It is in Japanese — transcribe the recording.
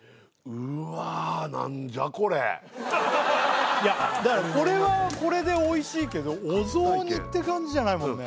俺も同じだからこれはこれで美味しいけどお雑煮って感じじゃないもんね